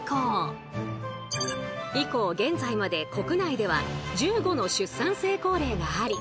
以降現在まで国内では１５の出産成功例があり